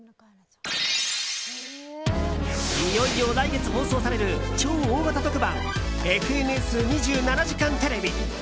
いよいよ来月放送される超大型特番「ＦＮＳ２７時間テレビ」。